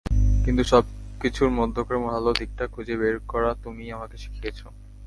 কিন্ত সব কিছুর মধ্যকার ভালো দিকটা খুঁজে বের করা তুমিই আমাকে শিখিয়েছ।